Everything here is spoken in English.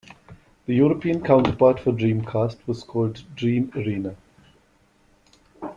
The European counterpart for Dreamcast was called Dreamarena.